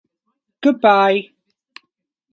Goodbye!